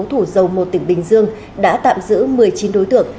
thủ dầu một tỉnh bình dương đã tạm giữ một mươi chín đối tượng